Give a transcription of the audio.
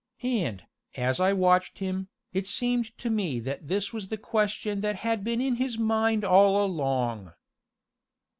And, as I watched him, it seemed to me that this was the question that had been in his mind all along.